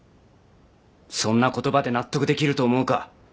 そんな言葉で納得できると思うか？